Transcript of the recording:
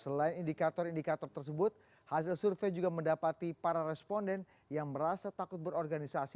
selain indikator indikator tersebut hasil survei juga mendapati para responden yang merasa takut berorganisasi